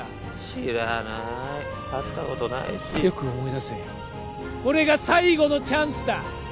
知らない会ったことないしよく思い出せこれが最後のチャンスだ